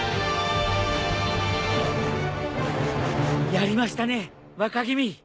やりましたね若君！